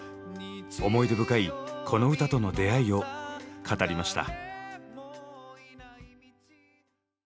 思い出深いこの歌との出会いを語りました。